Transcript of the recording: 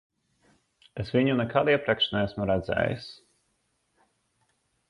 Es viņu nekad iepriekš neesmu redzējis.